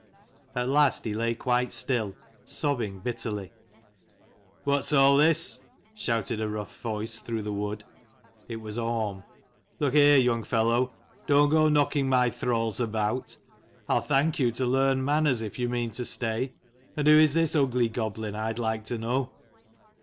At last he lay quite still, sobbing bitterly. "What's all this?" shouted a rough voice through the wood. It was Orm. " Look here, young fellow, don't go knocking my thralls about: I'll thank you to learn manners, if you mean to stay. And who is this ugly goblin, I'd like to know